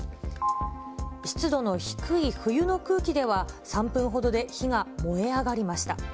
湿度の低い冬の空気では、３分ほどで火が燃え上がりました。